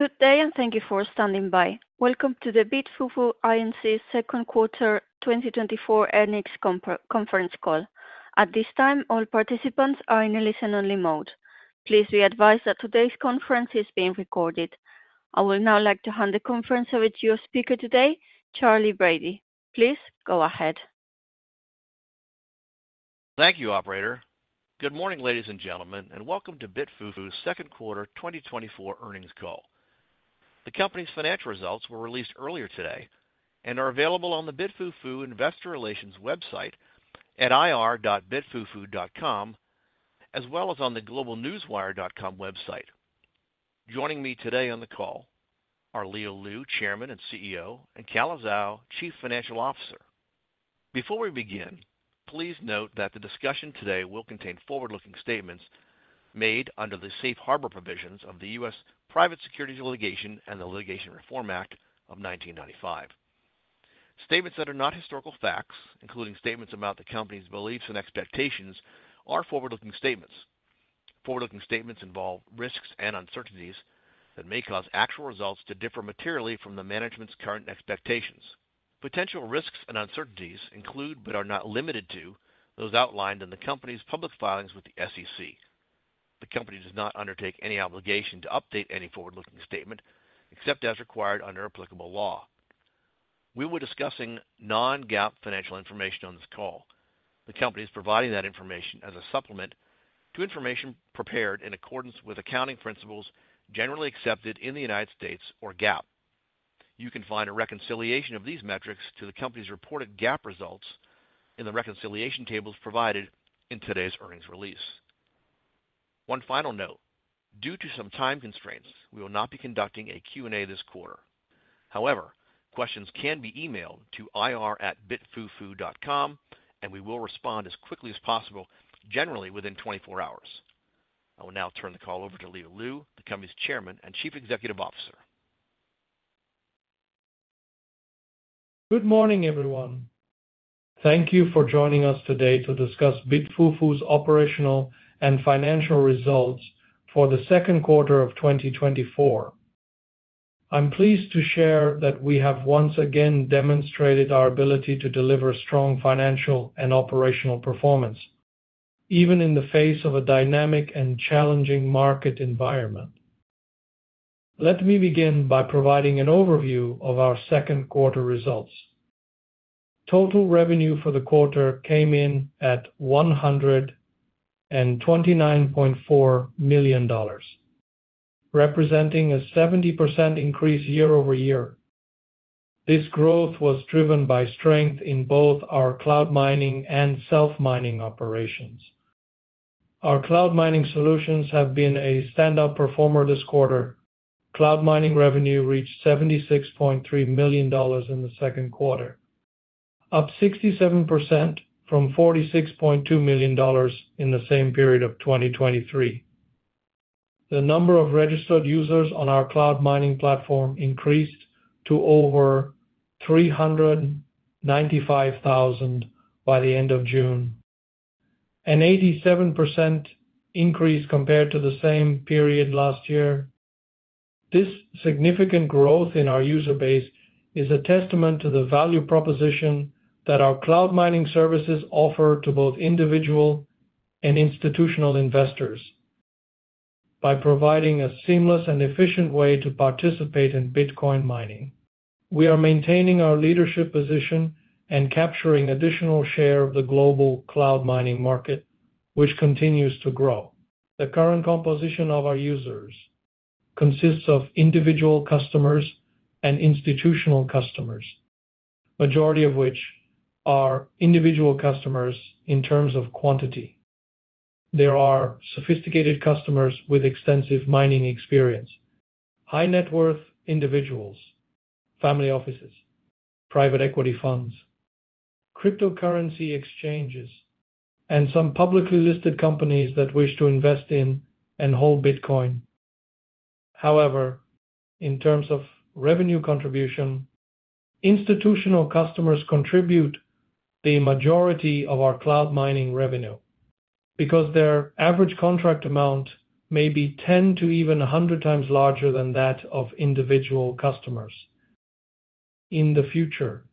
Good day, and thank you for standing by. Welcome to the BitFuFu Inc. Q2 2024 Earnings Conference Call. At this time, all participants are in a listen-only mode. Please be advised that today's conference is being recorded. I would now like to hand the conference over to your speaker today, Charlie Brady. Please go ahead. Thank you, operator. Good morning, ladies and gentlemen, and welcome to BitFuFu's Q2 2024 Earnings Conference Call. The company's financial results were released earlier today and are available on the BitFuFu Investor Relations website at ir.bitfufu.com, as well as on the globenewswire.com website. Joining me today on the call are Leo Liu, Chairman and CEO, and Calla Zhao, Chief Financial Officer. Before we begin, please note that the discussion today will contain forward-looking statements made under the safe harbor provisions of the U.S. Private Securities Litigation Reform Act of 1995. Statements that are not historical facts, including statements about the company's beliefs and expectations, are forward-looking statements. Forward-looking statements involve risks and uncertainties that may cause actual results to differ materially from the management's current expectations. Potential risks and uncertainties include, but are not limited to, those outlined in the company's public filings with the SEC. The company does not undertake any obligation to update any forward-looking statement, except as required under applicable law. We were discussing non-GAAP financial information on this call. The company is providing that information as a supplement to information prepared in accordance with accounting principles generally accepted in the United States or GAAP. You can find a reconciliation of these metrics to the company's reported GAAP results in the reconciliation tables provided in today's earnings release. One final note: Due to some time constraints, we will not be conducting a Q&A this quarter. However, questions can be emailed to ir@bitfufu.com, and we will respond as quickly as possible, generally within 24 hours. I will now turn the call over to Leo Liu, the company's Chairman and Chief Executive Officer. Good morning, everyone. Thank you for joining us today to discuss BitFuFu's operational and financial results for the second quarter of 2024. I'm pleased to share that we have once again demonstrated our ability to deliver strong financial and operational performance, even in the face of a dynamic and challenging market environment. Let me begin by providing an overview of our second quarter results. Total revenue for the quarter came in at $129.4 million, representing a 70% increase year over year. This growth was driven by strength in both our cloud mining and self-mining operations. Our cloud mining solutions have been a standout performer this quarter. Cloud mining revenue reached $76.3 million in the second quarter, up 67% from $46.2 million in the same period of 2023. The number of registered users on our cloud mining platform increased to over 395,000 by the end of June, an 87% increase compared to the same period last year. This significant growth in our user base is a testament to the value proposition that our cloud mining services offer to both individual and institutional investors. By providing a seamless and efficient way to participate in Bitcoin mining, we are maintaining our leadership position and capturing additional share of the global cloud mining market, which continues to grow. The current composition of our users consists of individual customers and institutional customers, majority of which are individual customers in terms of quantity. There are sophisticated customers with extensive mining experience, high-net-worth individuals, family offices, private equity funds, cryptocurrency exchanges, and some publicly listed companies that wish to invest in and hold Bitcoin. However, in terms of revenue contribution, institutional customers contribute the majority of our cloud mining revenue because their average contract amount may be 10 to even 100 times larger than that of individual customers. In the future,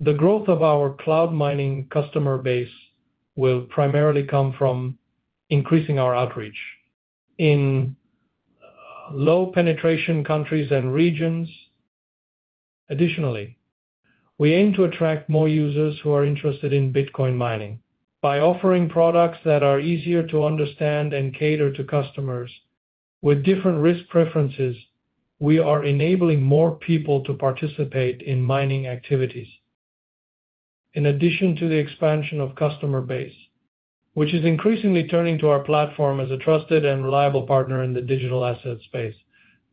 the growth of our cloud mining customer base will primarily come from increasing our outreach in low-penetration countries and regions. Additionally, we aim to attract more users who are interested in Bitcoin mining. By offering products that are easier to understand and cater to customers with different risk preferences, we are enabling more people to participate in mining activities. In addition to the expansion of customer base, which is increasingly turning to our platform as a trusted and reliable partner in the digital asset space,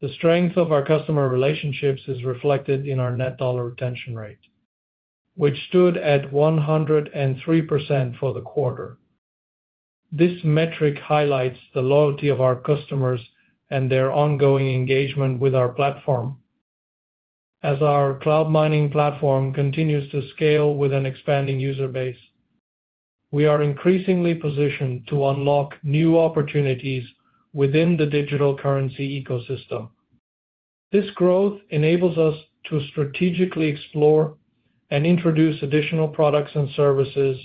the strength of our customer relationships is reflected in our net dollar retention rate, which stood at 103% for the quarter. This metric highlights the loyalty of our customers and their ongoing engagement with our platform. As our cloud mining platform continues to scale with an expanding user base, we are increasingly positioned to unlock new opportunities within the digital currency ecosystem. This growth enables us to strategically explore and introduce additional products and services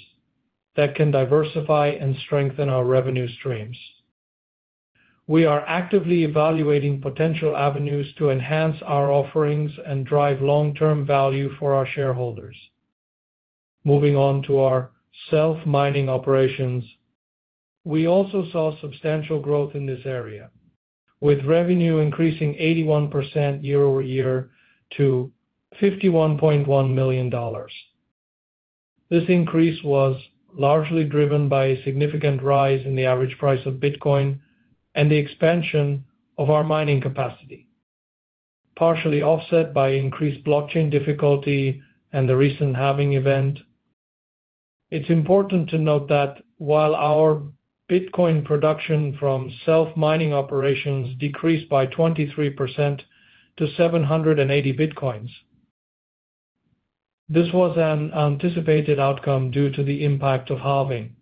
that can diversify and strengthen our revenue streams. We are actively evaluating potential avenues to enhance our offerings and drive long-term value for our shareholders. Moving on to our self-mining operations, we also saw substantial growth in this area, with revenue increasing 81% year-over-year to $51.1 million. This increase was largely driven by a significant rise in the average price of Bitcoin and the expansion of our mining capacity, partially offset by increased blockchain difficulty and the recent halving event. It's important to note that while our Bitcoin production from self-mining operations decreased by 23% to 780 Bitcoins, this was an anticipated outcome due to the impact of halving.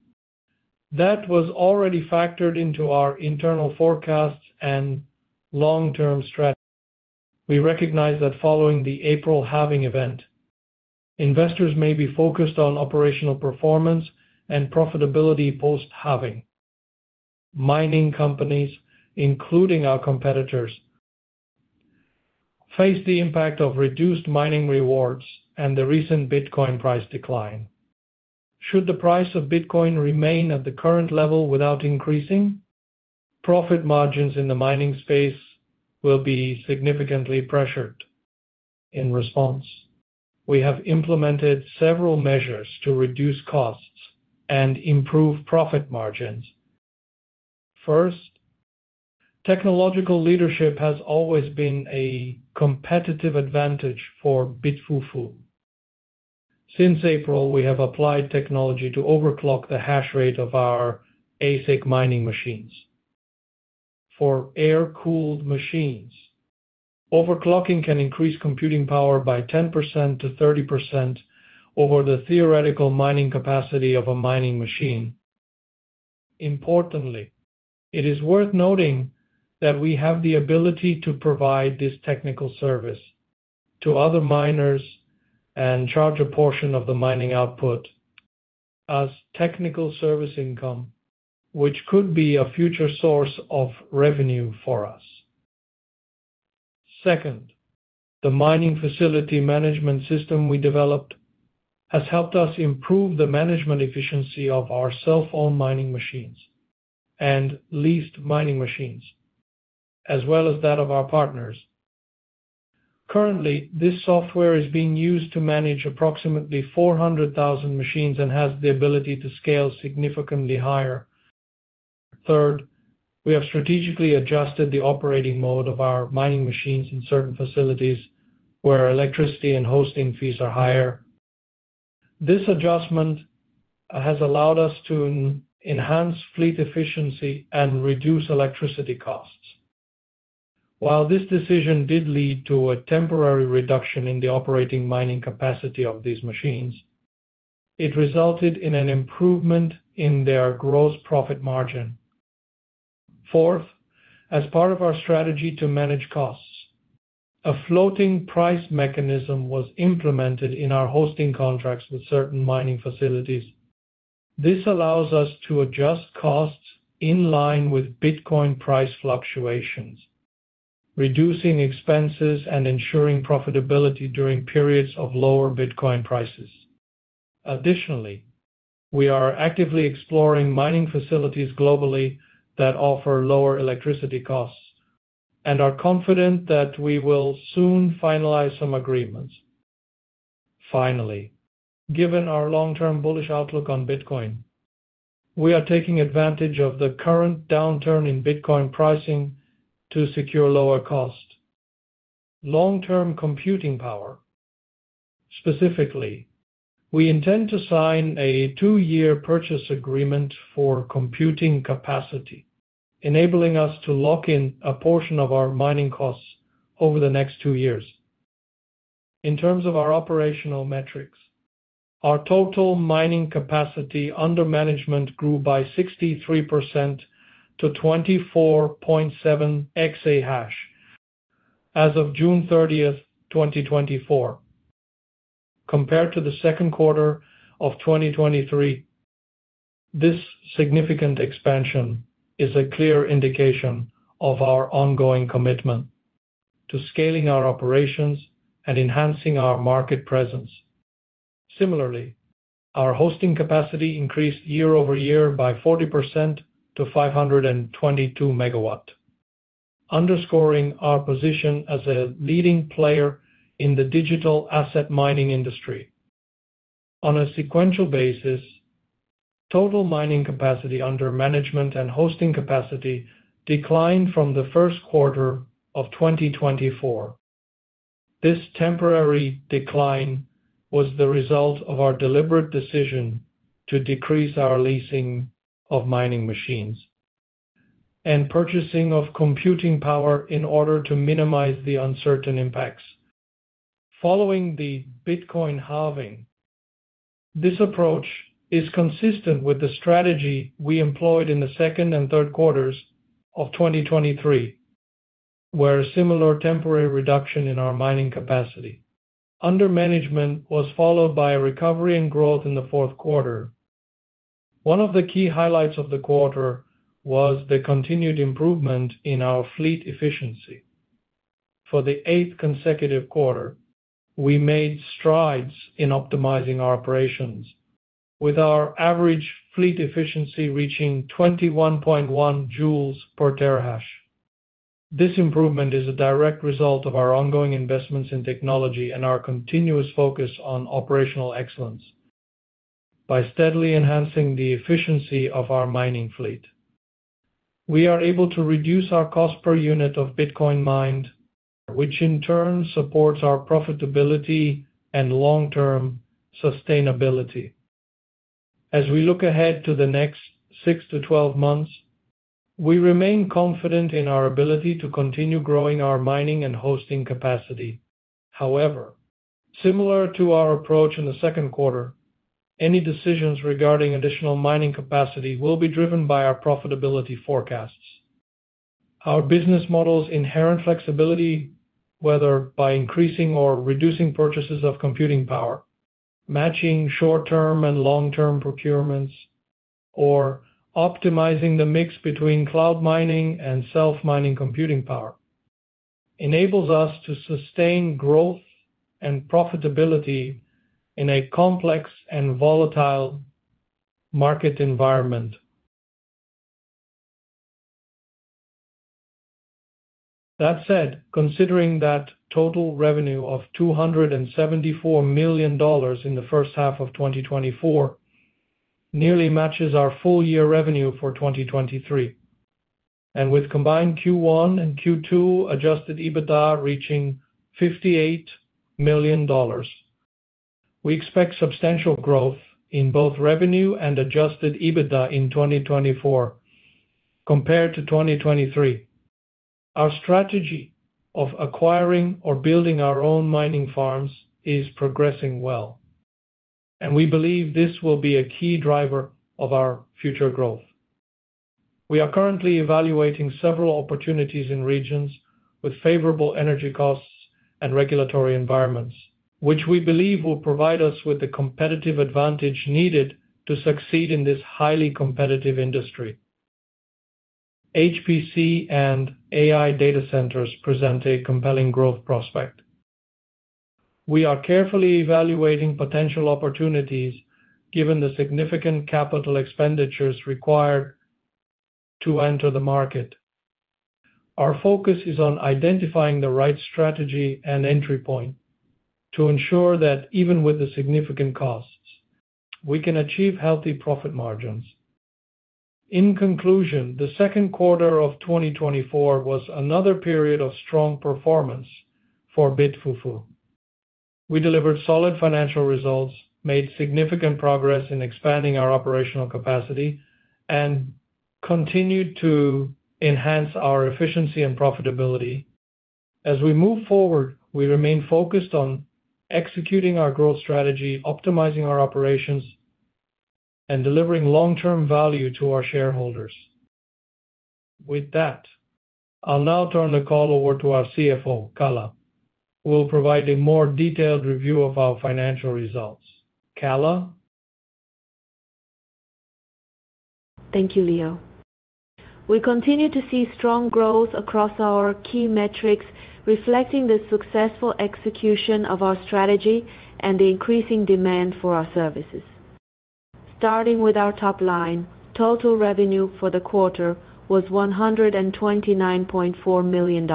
That was already factored into our internal forecasts and long-term strategy. We recognize that following the April halving event, investors may be focused on operational performance and profitability post-halving. Mining companies, including our competitors, face the impact of reduced mining rewards and the recent Bitcoin price decline. Should the price of Bitcoin remain at the current level without increasing, profit margins in the mining space will be significantly pressured. In response, we have implemented several measures to reduce costs and improve profit margins. First, technological leadership has always been a competitive advantage for BitFuFu. Since April, we have applied technology to overclock the hash rate of our ASIC mining machines. For air-cooled machines, overclocking can increase computing power by 10%-30% over the theoretical mining capacity of a mining machine. Importantly, it is worth noting that we have the ability to provide this technical service to other miners and charge a portion of the mining output as technical service income, which could be a future source of revenue for us. Second, the mining facility management system we developed has helped us improve the management efficiency of our self-owned mining machines and leased mining machines, as well as that of our partners. Currently, this software is being used to manage approximately 400,000 machines and has the ability to scale significantly higher. Third, we have strategically adjusted the operating mode of our mining machines in certain facilities, where electricity and hosting fees are higher. This adjustment has allowed us to enhance fleet efficiency and reduce electricity costs. While this decision did lead to a temporary reduction in the operating mining capacity of these machines, it resulted in an improvement in their gross profit margin. Fourth, as part of our strategy to manage costs, a floating price mechanism was implemented in our hosting contracts with certain mining facilities. This allows us to adjust costs in line with Bitcoin price fluctuations, reducing expenses and ensuring profitability during periods of lower Bitcoin prices. Additionally, we are actively exploring mining facilities globally that offer lower electricity costs and are confident that we will soon finalize some agreements. Finally, given our long-term bullish outlook on Bitcoin, we are taking advantage of the current downturn in Bitcoin pricing to secure lower cost. Long-term computing power, specifically, we intend to sign a two-year purchase agreement for computing capacity, enabling us to lock in a portion of our mining costs over the next two years. In terms of our operational metrics, our total mining capacity under management grew by 63% to 24.7 exahash as of June 30, 2024, compared to the second quarter of 2023. This significant expansion is a clear indication of our ongoing commitment to scaling our operations and enhancing our market presence. Similarly, our hosting capacity increased year over year by 40% to 522 megawatt, underscoring our position as a leading player in the digital asset mining industry. On a sequential basis, total mining capacity under management and hosting capacity declined from the first quarter of 2024. This temporary decline was the result of our deliberate decision to decrease our leasing of mining machines, and purchasing of computing power in order to minimize the uncertain impacts. Following the Bitcoin halving, this approach is consistent with the strategy we employed in the second and third quarters of 2023, where a similar temporary reduction in our mining capacity under management was followed by a recovery and growth in the fourth quarter. One of the key highlights of the quarter was the continued improvement in our fleet efficiency. For the eighth consecutive quarter, we made strides in optimizing our operations, with our average fleet efficiency reaching 21.1 joules per terahash. This improvement is a direct result of our ongoing investments in technology and our continuous focus on operational excellence. By steadily enhancing the efficiency of our mining fleet, we are able to reduce our cost per unit of Bitcoin mined, which in turn supports our profitability and long-term sustainability. As we look ahead to the next six to twelve months, we remain confident in our ability to continue growing our mining and hosting capacity. However, similar to our approach in the second quarter, any decisions regarding additional mining capacity will be driven by our profitability forecasts. Our business model's inherent flexibility, whether by increasing or reducing purchases of computing power, matching short-term and long-term procurements, or optimizing the mix between cloud mining and self-mining computing power, enables us to sustain growth and profitability in a complex and volatile market environment. That said, considering that total revenue of $274 million in the first half of 2024 nearly matches our full year revenue for 2023, and with combined Q1 and Q2 Adjusted EBITDA reaching $58 million, we expect substantial growth in both revenue and Adjusted EBITDA in 2024 compared to 2023. Our strategy of acquiring or building our own mining farms is progressing well, and we believe this will be a key driver of our future growth. We are currently evaluating several opportunities in regions with favorable energy costs and regulatory environments, which we believe will provide us with the competitive advantage needed to succeed in this highly competitive industry. HPC and AI data centers present a compelling growth prospect. We are carefully evaluating potential opportunities, given the significant capital expenditures required to enter the market. Our focus is on identifying the right strategy and entry point to ensure that even with the significant costs, we can achieve healthy profit margins. In conclusion, the Q2 of 2024 was another period of strong performance for BitFuFu. We delivered solid financial results, made significant progress in expanding our operational capacity, and continued to enhance our efficiency and profitability. As we move forward, we remain focused on executing our growth strategy, optimizing our operations, and delivering long-term value to our shareholders. With that, I'll now turn the call over to our CFO, Calla, who will provide a more detailed review of our financial results. Calla? Thank you, Leo. We continue to see strong growth across our key metrics, reflecting the successful execution of our strategy and the increasing demand for our services. Starting with our top line, total revenue for the quarter was $129.4 million,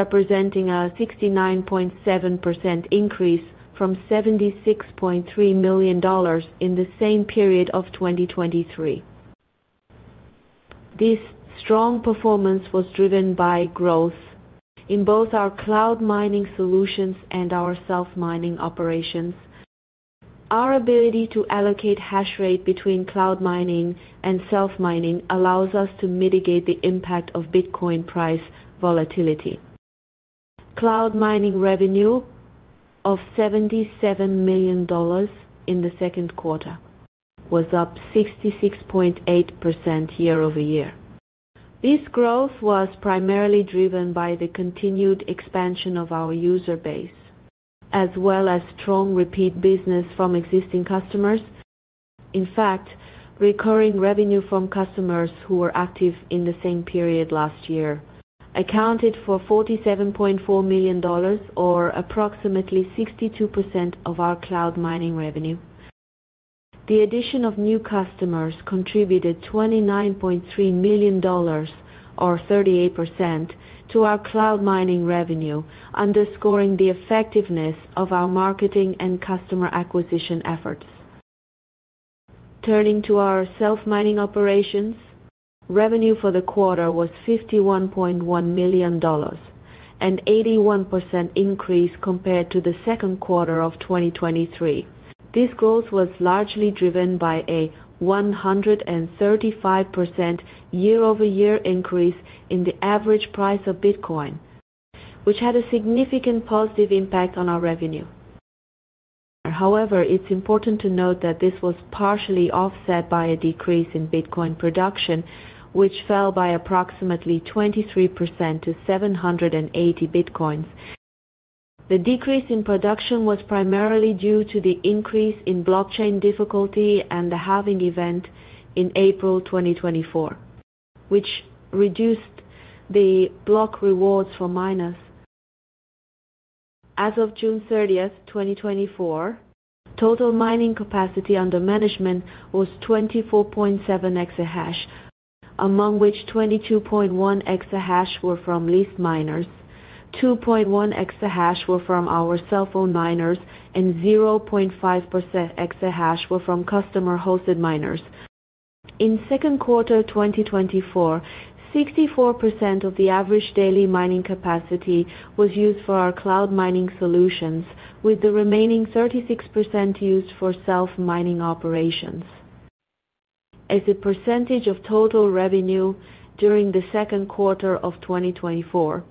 representing a 69.7% increase from $76.3 million in the same period of 2023. This strong performance was driven by growth in both our cloud mining solutions and our self-mining operations. Our ability to allocate hash rate between cloud mining and self-mining allows us to mitigate the impact of Bitcoin price volatility. Cloud mining revenue of $77 million in the second quarter was up 66.8% year over year. This growth was primarily driven by the continued expansion of our user base, as well as strong repeat business from existing customers. In fact, recurring revenue from customers who were active in the same period last year accounted for $47.4 million, or approximately 62% of our cloud mining revenue. The addition of new customers contributed $29.3 million, or 38%, to our cloud mining revenue, underscoring the effectiveness of our marketing and customer acquisition efforts. Turning to our self-mining operations, revenue for the quarter was $51.1 million. An 81% increase compared to the second quarter of 2023. This growth was largely driven by a 135% year-over-year increase in the average price of Bitcoin, which had a significant positive impact on our revenue. However, it's important to note that this was partially offset by a decrease in Bitcoin production, which fell by approximately 23% to 780 Bitcoins. The decrease in production was primarily due to the increase in blockchain difficulty and the halving event in April 2024, which reduced the block rewards for miners. As of June 30, 2024, total mining capacity under management was 24.7 exahash, among which 22.1 exahash were from leased miners, 2.1 exahash were from our self-owned miners, and 0.5 exahash were from customer-hosted miners. In second quarter 2024, 64% of the average daily mining capacity was used for our cloud mining solutions, with the remaining 36% used for self-mining operations. As a percentage of total revenue during the second quarter of 2024,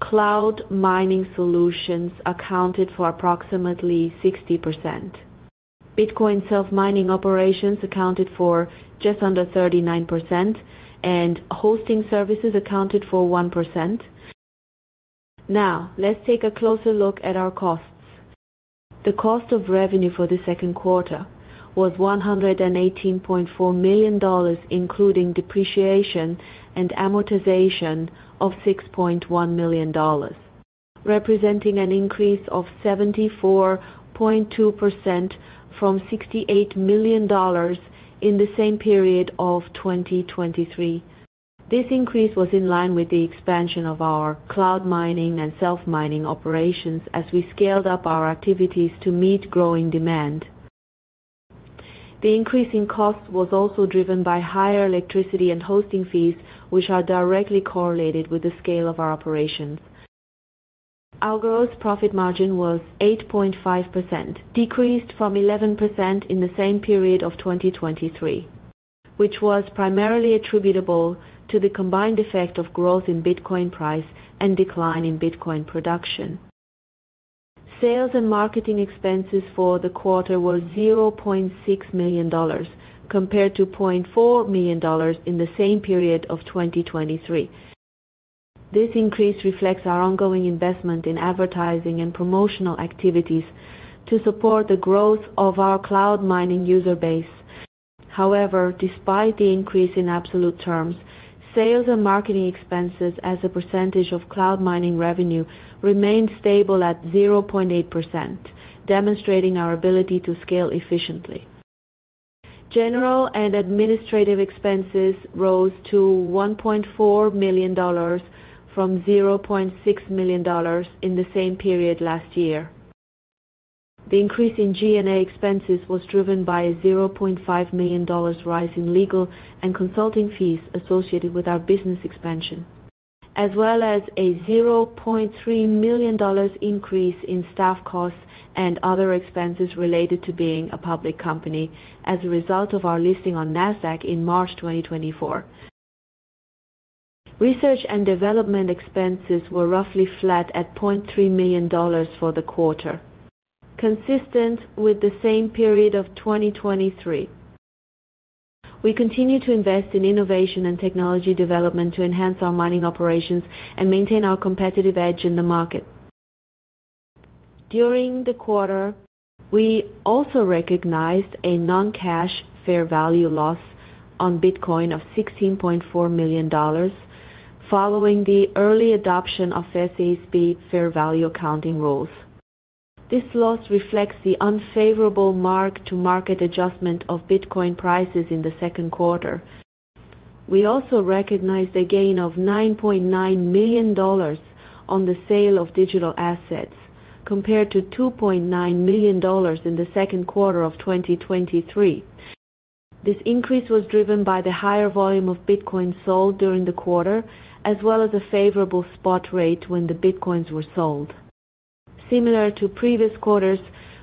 cloud mining solutions accounted for approximately 60%. Bitcoin self-mining operations accounted for just under 39%, and hosting services accounted for 1%. Now, let's take a closer look at our costs. The cost of revenue for the second quarter was $118.4 million, including depreciation and amortization of $6.1 million, representing an increase of 74.2% from $68 million in the same period of 2023. This increase was in line with the expansion of our cloud mining and self-mining operations as we scaled up our activities to meet growing demand. The increase in cost was also driven by higher electricity and hosting fees, which are directly correlated with the scale of our operations. Our gross profit margin was 8.5%, decreased from 11% in the same period of 2023, which was primarily attributable to the combined effect of growth in Bitcoin price and decline in Bitcoin production. Sales and marketing expenses for the quarter were $0.6 million, compared to $0.4 million in the same period of 2023. This increase reflects our ongoing investment in advertising and promotional activities to support the growth of our cloud mining user base. However, despite the increase in absolute terms, sales and marketing expenses as a percentage of cloud mining revenue remained stable at 0.8%, demonstrating our ability to scale efficiently. General and administrative expenses rose to $1.4 million from $0.6 million in the same period last year. The increase in G&A expenses was driven by a $0.5 million rise in legal and consulting fees associated with our business expansion, as well as a $0.3 million increase in staff costs and other expenses related to being a public company as a result of our listing on Nasdaq in March 2024. Research and development expenses were roughly flat at $0.3 million for the quarter, consistent with the same period of 2023. We continue to invest in innovation and technology development to enhance our mining operations and maintain our competitive edge in the market. During the quarter, we also recognized a non-cash fair value loss on Bitcoin of $16.4 million, following the early adoption of FASB fair value accounting rules. This loss reflects the unfavorable mark-to-market adjustment of Bitcoin prices in the second quarter. We also recognized a gain of $9.9 million on the sale of digital assets, compared to $2.9 million in the second quarter of 2023. This increase was driven by the higher volume of Bitcoin sold during the quarter, as well as a favorable spot rate when the Bitcoins were sold. Similar to previous quarters,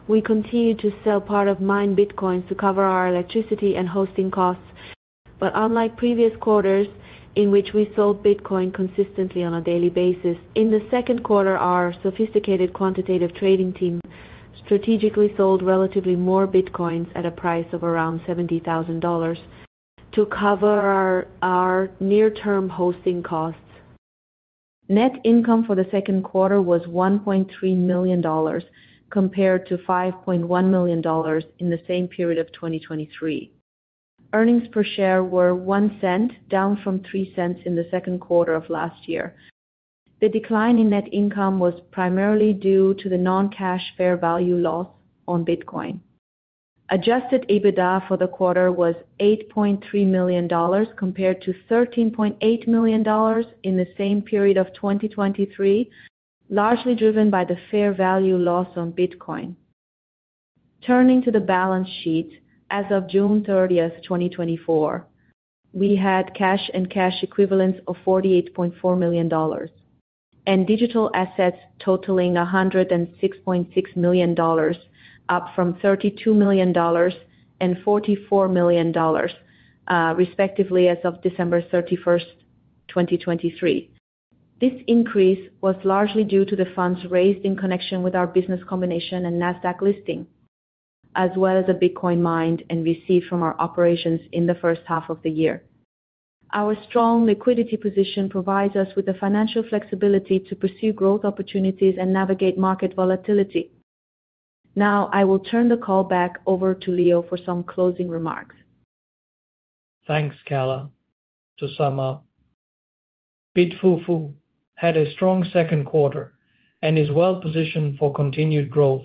we continued to sell part of mined Bitcoins to cover our electricity and hosting costs. But unlike previous quarters in which we sold Bitcoin consistently on a daily basis, in the second quarter, our sophisticated quantitative trading team strategically sold relatively more Bitcoins at a price of around $70,000 to cover our near-term hosting costs. Net income for the second quarter was $1.3 million, compared to $5.1 million in the same period of 2023. Earnings per share were $0.01, down from $0.03 in the second quarter of last year. The decline in net income was primarily due to the non-cash fair value loss on Bitcoin. Adjusted EBITDA for the quarter was $8.3 million, compared to $13.8 million in the same period of 2023, largely driven by the fair value loss on Bitcoin. Turning to the balance sheet, as of June 30, 2024, we had cash and cash equivalents of $48.4 million, and digital assets totaling $106.6 million, up from $32 million and $44 million, respectively, as of December 31, 2023. This increase was largely due to the funds raised in connection with our business combination and Nasdaq listing, as well as the Bitcoin mined and received from our operations in the first half of the year. Our strong liquidity position provides us with the financial flexibility to pursue growth opportunities and navigate market volatility. Now, I will turn the call back over to Leo for some closing remarks. Thanks, Calla. To sum up, BitFuFu had a strong second quarter and is well-positioned for continued growth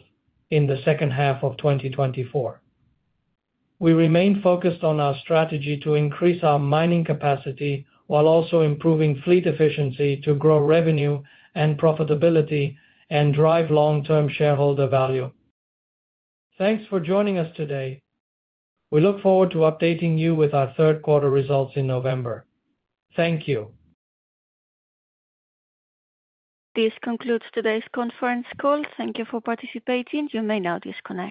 in the second half of 2024. We remain focused on our strategy to increase our mining capacity, while also improving fleet efficiency to grow revenue and profitability and drive long-term shareholder value. Thanks for joining us today. We look forward to updating you with our Q3 results in November. Thank you. This concludes today's conference call. Thank you for participating. You may now disconnect.